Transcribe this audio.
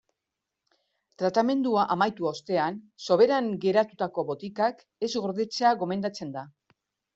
Tratamendua amaitu ostean soberan geratutako botikak ez gordetzea gomendatzen da.